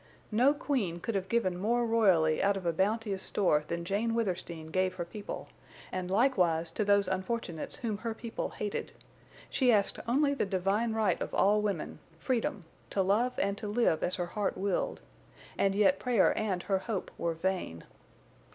No queen could have given more royally out of a bounteous store than Jane Withersteen gave her people, and likewise to those unfortunates whom her people hated. She asked only the divine right of all women—freedom; to love and to live as her heart willed. And yet prayer and her hope were vain.